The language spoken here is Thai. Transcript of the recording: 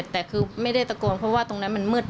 แต่คือไม่ได้ตะโกนเพราะว่าตรงนั้นมันมืด